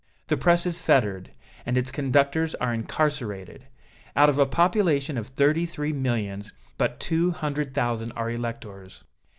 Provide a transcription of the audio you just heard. The press is fettered, and its conductors are incarcerated. Out of a population of thirty three millions, but two hundred thousand are electors.